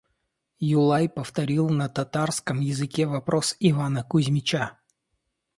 Юлай повторил на татарском языке вопрос Ивана Кузмича.